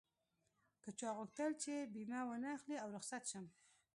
که چا غوښتل چې بيمه و نه اخلي او رخصت شم.